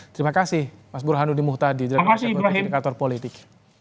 terima kasih mas burhanuddin muhtadi dir keputusan indikator politik